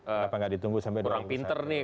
apa gak ditunggu sampai kurang pinter nih